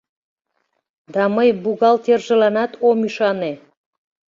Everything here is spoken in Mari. Да мый бухгалтержыланат ом ӱшане.